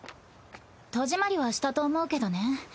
戸締まりはしたと思うけどね